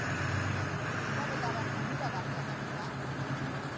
Sendabelarrak onuragarriak al dira?